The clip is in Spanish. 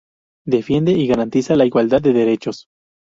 Defiende y garantiza la igualdad de derechos"".